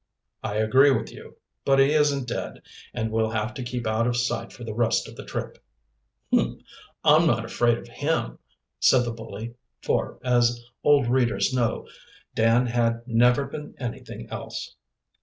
"I agree with you. But he isn't dead, and we'll have to keep out of sight for the rest of the trip." "Humph! I am not afraid of him!" said the bully, for, as old readers know, Dan had never been anything else.